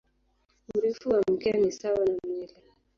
Urefu wa mkia ni sawa na mwili.